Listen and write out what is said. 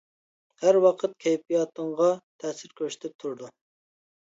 ھەر ۋاقىت كەيپىياتىڭغا تەسىر كۆرسىتىپ تۇرىدۇ.